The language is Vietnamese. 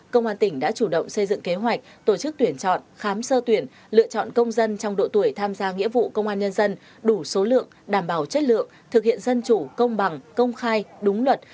công an tỉnh đã chủ động xây dựng kế hoạch tổ chức tuyển chọn khám sơ tuyển lựa chọn công dân trong độ tuổi tham gia nghĩa vụ công an nhân dân đủ số lượng đảm bảo chất lượng thực hiện dân chủ công bằng công khai đúng luật